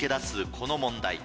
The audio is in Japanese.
この問題。